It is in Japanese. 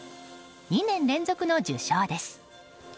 ２年連続の受賞です。